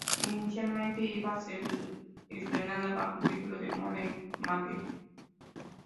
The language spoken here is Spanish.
Inicialmente iba a ser estrenada bajo el título de "Money Maker".